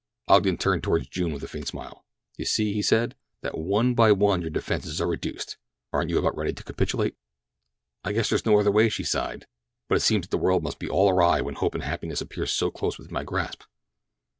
Ogden turned toward June with a faint smile. "You see," he said, "that one by one your defenses are reduced—aren't you about ready to capitulate?" "I guess there is no other way," she sighed; "but it seems that the world must be all awry when hope of happiness appears so close within my grasp!"